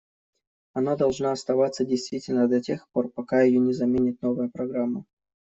Она должна оставаться действительной до тех пор, пока ее не заменит новая программа.